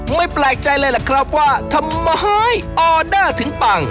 ไม่แปลกใจเลยล่ะครับว่าทำไมออเดอร์ถึงปัง